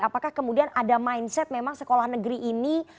apakah kemudian ada mindset memang sekolah negeri ini